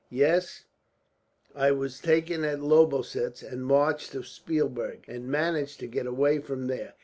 "Yes, I was taken at Lobositz and marched to Spielberg, and managed to get away from there.